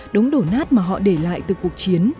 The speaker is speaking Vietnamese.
đống đổ nát mà họ để lại từ cuộc chiến